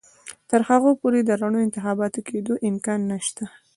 تر هغو پورې د رڼو انتخاباتو کېدو امکان نشته.